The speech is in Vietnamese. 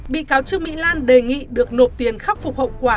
bị cáo trương mỹ lan đề nghị được nộp tiền khắc phục hậu quả